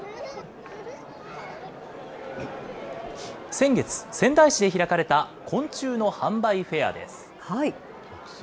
先月、仙台市で開かれた昆虫の販売フェアです。